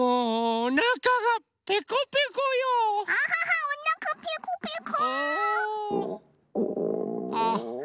おなかペコペコ。